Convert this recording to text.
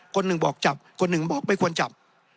คนหนึ่งบอกจับคนหนึ่งบอกไม่ควรจับ